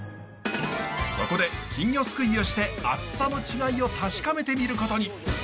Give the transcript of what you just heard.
そこで金魚すくいをして厚さの違いを確かめてみることに。